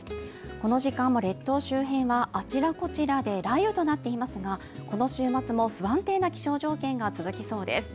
この時間も列島周辺はあちらこちらで雷雨となっていますがこの週末も不安定な気象条件が続きそうです。